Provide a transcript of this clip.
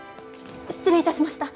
失礼いたしました。